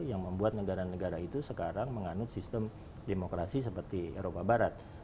yang membuat negara negara itu sekarang menganut sistem demokrasi seperti eropa barat